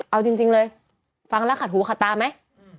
เอาจริงเลยฟังแล้วขัดหูขัดตาไหม